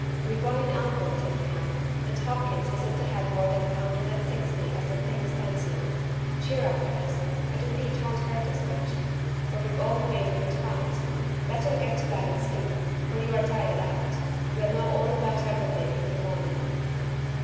We won in Elmwood, anyhow, and Hopkins isn't ahead more than a hundred and sixty as the thing stands now. Cheer up, girls. A defeat won't hurt us much, for we've all made a good fight. Better get to bed and sleep, for you're tired out. We'll know all about everything in the morning."